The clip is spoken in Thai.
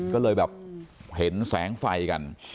ก็เลยแบบเห็นแสงไฟกัน